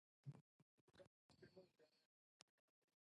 拾光坞云盘已经打通了百度网盘互传